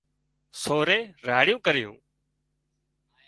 سورئي راڙيون ڪريون